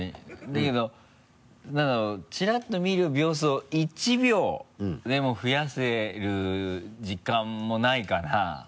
だけど何だろうチラッと見る秒数を１秒でも増やせる時間もないかな？